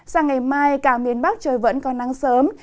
sang ngày mai cả miền bắc trời vẫn còn nắng sớm